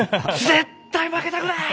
「絶対負けたくない！」